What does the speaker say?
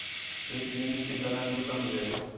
ہِک یونیورسٹی تا ناں بیوٹمز ہِے